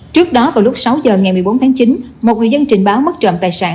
trước đó vào lúc sáu giờ ngày một mươi bốn tháng chín một người dân trình báo mất trộm tài sản